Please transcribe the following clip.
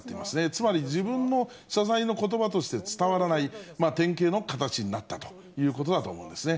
つまり自分の謝罪のことばとして伝わらない、典型の形になったということだと思うんですね。